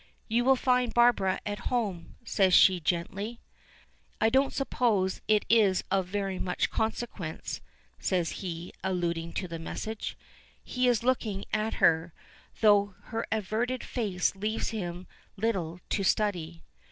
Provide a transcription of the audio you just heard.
"You will find Barbara at home," says she gently. "I don't suppose it is of very much consequence," says he, alluding to the message. He is looking at her, though her averted face leaves him little to study.